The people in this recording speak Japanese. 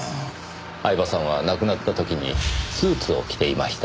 饗庭さんは亡くなった時にスーツを着ていました。